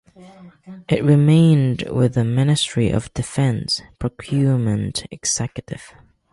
It remained with the Ministry of Defence, Procurement Executive.